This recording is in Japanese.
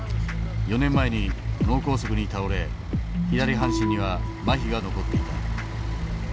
４年前に脳梗塞に倒れ左半身にはまひが残っていた。